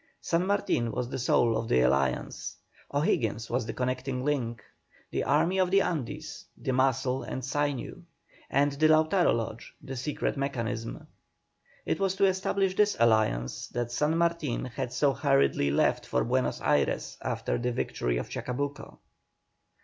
San Martin was the soul of the alliance, O'Higgins was the connecting link, the Army of the Andes the muscle and sinew, and the Lautaro Lodge the secret mechanism. It was to establish this alliance that San Martin had so hurriedly left for Buenos Ayres after the victory of Chacabuco.